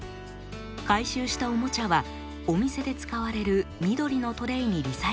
回収したおもちゃはお店で使われる緑のトレイにリサイクルします。